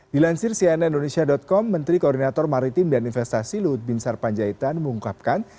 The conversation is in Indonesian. dilansir cnn indonesia com menteri koordinator maritim dan investasi luhut bin sarpanjaitan mengungkapkan